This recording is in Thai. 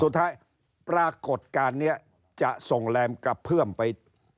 ปรากฏการณ์นี้จะส่งแรมกระเพื่อมไป